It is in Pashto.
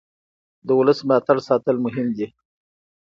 د ولس ملاتړ ساتل مهم دي